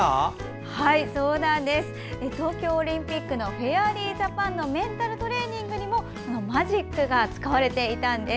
東京オリンピックのフェアリージャパンのメンタルトレーニングにもマジックが使われていたんです。